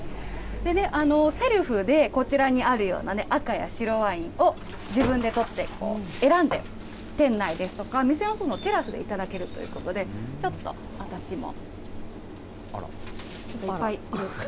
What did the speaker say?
でね、セルフでこちらにあるような赤や白ワイン、自分で取って、選んで、店内ですとか、店のテラスで頂けるということで、ちょっと私も。